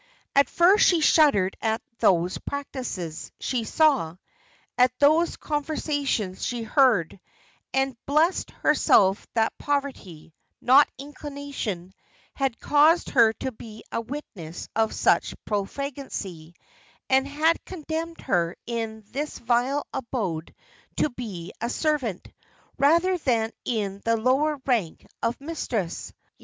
At first she shuddered at those practices she saw, at those conversations she heard, and blest herself that poverty, not inclination, had caused her to be a witness of such profligacy, and had condemned her in this vile abode to be a servant, rather than in the lower rank of mistress.